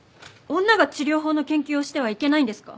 女が治療法の研究をしてはいけないんですか？